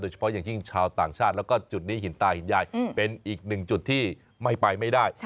เฉพาะอย่างยิ่งชาวต่างชาติแล้วก็จุดนี้หินตาหินยายเป็นอีกหนึ่งจุดที่ไม่ไปไม่ได้